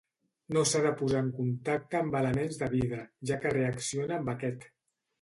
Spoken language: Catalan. No s'ha de posar en contacte amb elements de vidre, ja que reacciona amb aquest.